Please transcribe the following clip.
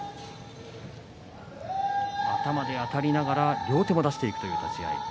頭であたりながら両手も出していくという立ち合い。